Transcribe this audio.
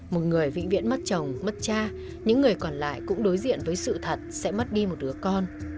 một người vĩnh viễn mất chồng mất cha những người còn lại cũng đối diện với sự thật sẽ mất đi một đứa con